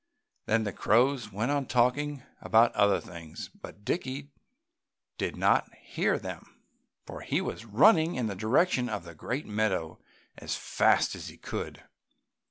Then the crows went on talking about other things, but Dickie did not hear them, for he was running in the direction of the great meadow as fast as he could.